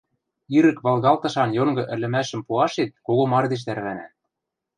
ирӹк валгалтышан йонгы ӹлӹмӓшӹм пуашет кого мардеж тӓрвӓнӓ.